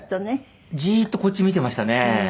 ジーッとこっち見てましたね。